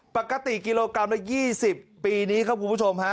ปกติกิโลกรัมละ๒๐ปีนี้ครับคุณผู้ชมฮะ